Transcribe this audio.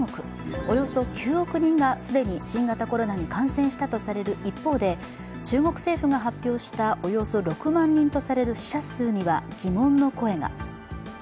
およそ９億人が既に新型コロナに感染したとされる一方で中国政府が発表したおよそ６万人とされる死者数には疑問の声が。